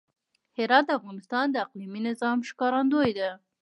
هرات د افغانستان د اقلیمي نظام ښکارندوی ده.